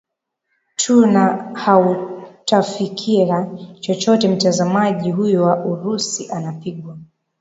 tu na hautafikia chochote Mtazamaji huyo wa Urusi anapigwa